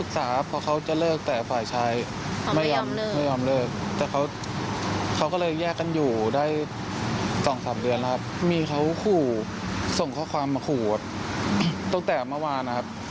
แต่เขาก็เลยแยกกันอยู่ได้สองสามเดือนแล้วมีเขาขู่ส่งข้อความมาขู่ตั้งแต่เมื่อวานนะครับ